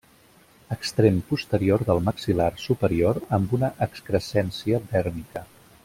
Extrem posterior del maxil·lar superior amb una excrescència dèrmica.